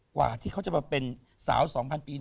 กว่าที่เขาจะมาเป็นสาว๒๐๐ปี